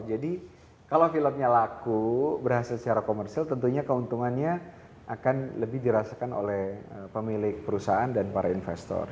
jadi kalau pilotnya laku berhasil secara komersil tentunya keuntungannya akan lebih dirasakan oleh pemilik perusahaan dan para investor